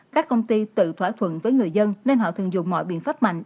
các công ty tự thỏa thuận với người dân nên họ thường dùng mọi biện pháp mạnh